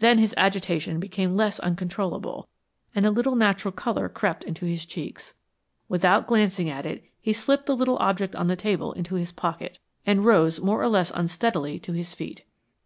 Then his agitation became less uncontrollable and a little natural color crept into his cheeks. Without glancing at it he slipped the little object on the table into his pocket and rose more or less unsteadily to his feet.